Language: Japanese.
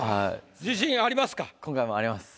自信ありますか？